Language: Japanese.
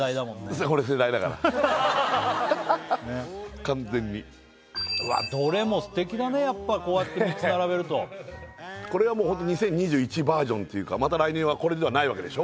そう俺世代だから完全にだねやっぱりこうやって３つ並べるとこれはもうホント２０２１バージョンというかまた来年はこれではないわけでしょ？